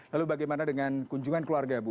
lalu bagaimana dengan kunjungan keluarga ibu